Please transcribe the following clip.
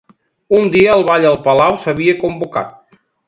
Un dia el ball al palau s'havia convocat.